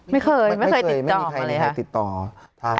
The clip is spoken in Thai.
ไม่เคยไม่เคยติดต่อมาเลยค่ะ